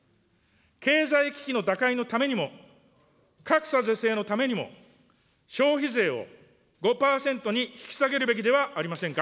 経済危機の打開のためにも格差是正のためにも消費税を５％に引き下げるべきではありませんか。